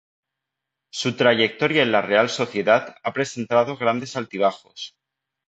Su trayectoria en la Real Sociedad ha presentado grandes altibajos.